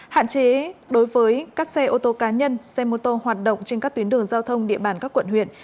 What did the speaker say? hạn chế đối với các xe ô tô cá nhân xe mô tô hoạt động trên các tuyến đường giao thông địa bàn các quận huyện